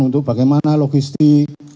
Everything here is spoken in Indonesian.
untuk bagaimana logistik